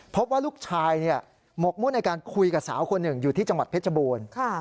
พบว่าลูกชายหมกมุ่นในการคุยกับสาวคนหนึ่งอยู่ที่จังหวัดเพชรบูรณ์